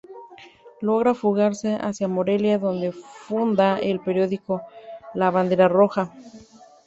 Logra fugarse hacia Morelia, donde funda el periódico "La Bandera Roja".